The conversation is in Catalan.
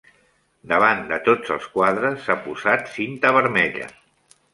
Davant de tots els quadres s'ha posat cinta vermella.